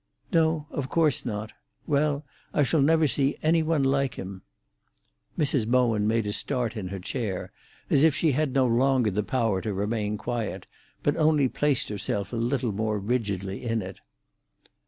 "No, of course not. Well, I shall never see any one like him." Mrs. Bowen made a start in her chair, as if she had no longer the power to remain quiet, but only placed herself a little more rigidly in it.